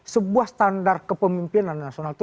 sebuah standar kepemimpinan nasional itu